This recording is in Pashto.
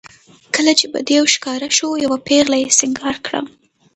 کله چې به دېو ښکاره شو یوه پېغله یې سینګار کړه.